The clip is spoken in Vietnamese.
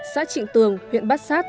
xã trịnh tường huyện bát sát